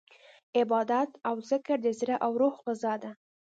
عبادت او ذکر د زړه او روح غذا ده.